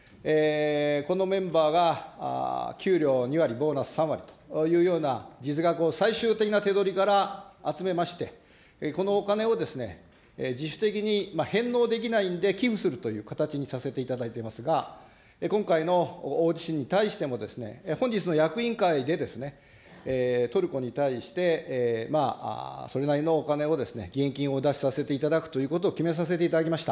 このメンバーが、給料２割、ボーナス３割というような実額を最終的な手取りから集めまして、このお金を自主的に返納できないんで、寄付するという形にさせていただいていますが、今回の大地震に対しても、本日の役員会で、トルコに対してそれなりのお金を義援金をお出しさせていただくということを決めさせていただきました。